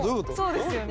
そうですよね？